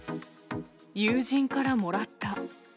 友人からもらった。